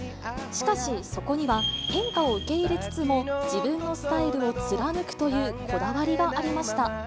しかし、そこには変化を受け入れつつも、自分のスタイルを貫くというこだわりがありました。